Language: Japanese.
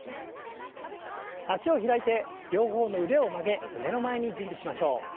脚を開いて両方の腕を曲げ胸の前に準備しましょう。